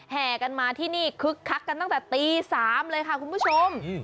แห่กันมาที่นี่คึกคักกันตั้งแต่ตี๓เลยค่ะคุณผู้ชม